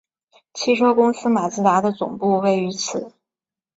汽车公司马自达的总部位于此。